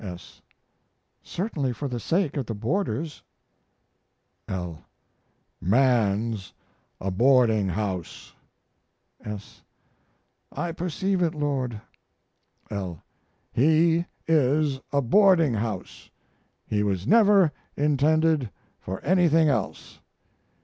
S. Certainly for the sake of the boarders. L. Man's a boarding house. S. I perceive it, Lord. L. He is a boarding house. He was never intended for anything else.